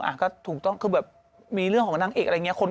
อ่ะก็ถูกต้องคือแบบมีเรื่องของนางเอกอะไรอย่างนี้